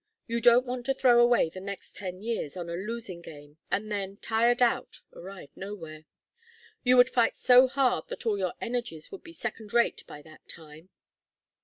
You don't want to throw away the next ten years on a losing game, and then, tired out, arrive nowhere. You would fight so hard that all your energies would be second rate by that time.